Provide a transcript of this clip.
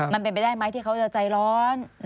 มันเป็นไปได้ไหมที่เขาจะใจร้อน